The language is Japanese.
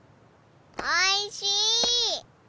おいしい！